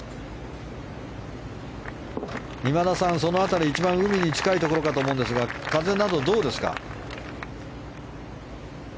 今田さん、その辺りは一番海に近いところかと思いますが風など、どうですか？